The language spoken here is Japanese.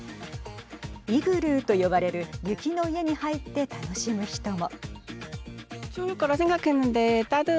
イグルーと呼ばれる雪の家に入って楽しむ人も。